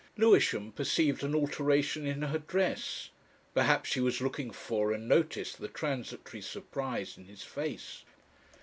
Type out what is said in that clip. Lewisham perceived an alteration in her dress. Perhaps she was looking for and noticed the transitory surprise in his face.